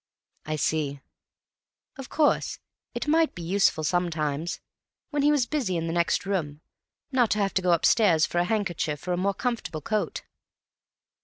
"I see." "Of course, it might be useful sometimes, when he was busy in the next room, not to have to go upstairs for a handkerchief or a more comfortable coat."